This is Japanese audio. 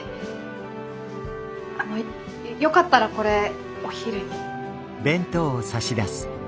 あのよかったらこれお昼に。